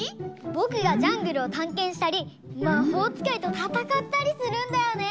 ぼくがジャングルをたんけんしたりまほうつかいとたたかったりするんだよね。